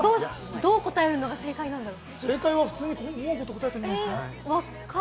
どう答えるのが正解なんだろう？